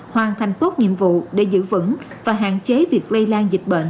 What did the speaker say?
hoàn thành tốt nhiệm vụ để giữ vững và hạn chế việc lây lan dịch bệnh